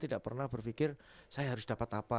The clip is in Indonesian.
tidak pernah berpikir saya harus dapat apa